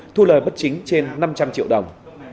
thu lời bất chính trên năm trăm linh triệu đồng